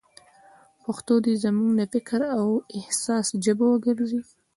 پښتو دې زموږ د فکر او احساس ژبه وګرځي.